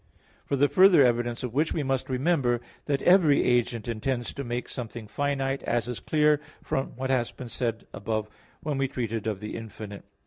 For the further evidence of which we must remember that every agent intends to make something finite, as is clear from what has been said above when we treated of the infinite (Q.